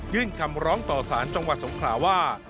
คำร้องต่อสารจังหวัดสงขลาว่า